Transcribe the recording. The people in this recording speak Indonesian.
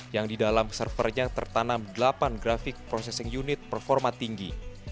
yang di dalam servernya tertanam delapan grafik processing unit performa tinggi